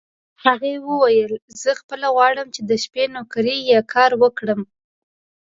هغې وویل: زه خپله غواړم چې د شپې نوکري یا کار وکړم.